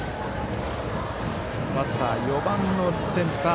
バッター４番のセンター